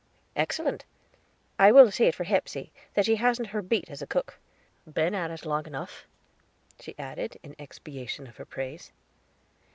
"Excellent. I will say it for Hepsey that she hasn't her beat as a cook; been at it long enough," she added, in expiation of her praise.